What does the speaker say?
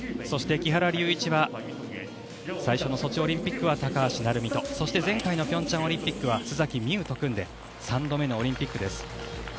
そして、木原龍一は最初のソチオリンピックは高橋成美とそして、前回の平昌オリンピックから３度目のオリンピックです。